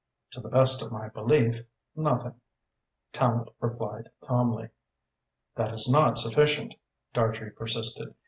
"To the best of my belief, nothing," Tallente replied calmly "That is not sufficient," Dartrey persisted.